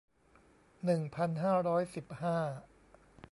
หนึ่งพันห้าร้อยสิบห้า